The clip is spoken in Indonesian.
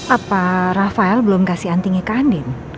apa rafael belum kasih antinya ke andin